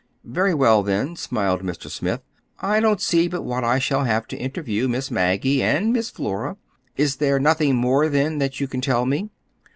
"Very well, then," smiled Mr. Smith. "I don't see but what I shall have to interview Miss Maggie, and Miss Flora. Is there nothing more, then, that you can tell me?"